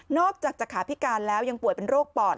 อกจากจะขาพิการแล้วยังป่วยเป็นโรคปอด